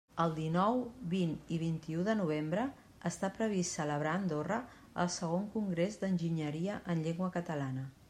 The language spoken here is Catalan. El dinou, vint i vint-i-u de novembre està previst celebrar a Andorra el Segon Congrés d'Enginyeria en Llengua Catalana.